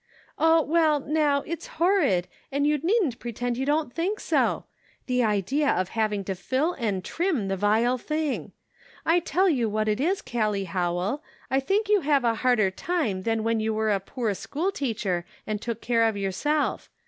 " Oh, well now, it's horrid, and you needn't pretend you don't think so. The idea of having to fill and trim the vile thing ! I tell you what it is, Callie Howell, I think you have a harder "Yet Lackest Thou ." 157 time than when you were a poor school teacher and took care of yourself.